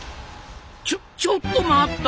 ちょちょっと待った！